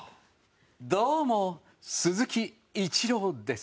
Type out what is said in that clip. どうも鈴木一朗です。